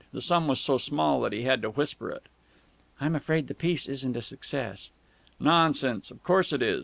The sum was so small that he had to whisper it." "I'm afraid the piece isn't a success." "Nonsense! Of course it is!